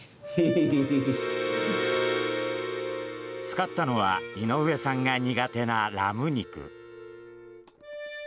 使ったのは井上さんが苦手なラム肉。